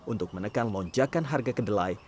untuk menekan lonjakan harga kedelai